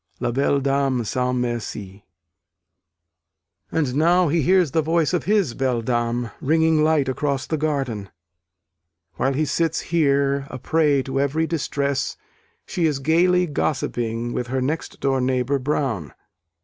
La Belle Dame sans merci. And now he hears the voice of his Belle Dame ringing light across the garden; while he sits here, a prey to every distress, she is gaily gossiping with her next door neighbour Brown.